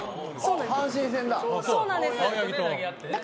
「阪神戦だ」